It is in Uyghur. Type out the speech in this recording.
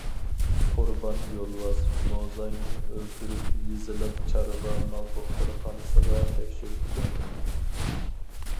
قۇربان يولۋاس موزاينى ئۆلتۈرۈپ يېزىلىق چارۋا مال دوختۇرخانىسىغا تەكشۈرتكەن.